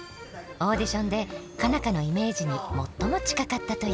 オーディションで佳奈花のイメージに最も近かったという。